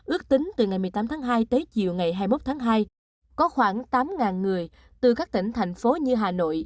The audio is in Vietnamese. ước tính từ ngày một mươi tám tháng hai tới chiều ngày hai mươi một tháng hai có khoảng tám người từ các tỉnh thành phố như hà nội